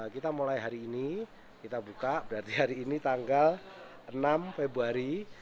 kita mulai hari ini kita buka berarti hari ini tanggal enam februari